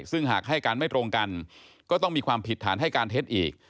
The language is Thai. ซึ่งหากให้การไม่ตรงกันก็ต้องมีความผิดฐานให้การเท็จอีก